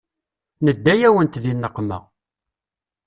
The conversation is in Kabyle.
Nedda-yawent di nneqma.